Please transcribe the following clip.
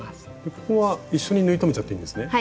ここは一緒に縫い留めちゃっていいんですね？